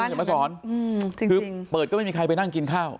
เหมือนแม่สอนอืมจริงจริงเปิดก็ไม่มีใครไปนั่งกินข้าว